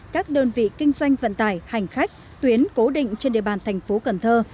các đơn vị kinh doanh vận tải hành khách tuyến cố định trên địa bàn thành phố cần thơ